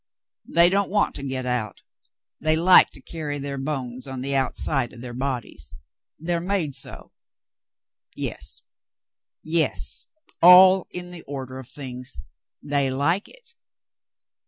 They don't want to get out. They like to carry their bones on the out side of their bodies. They're made so. Yes, yes, all in the order of things. They like it."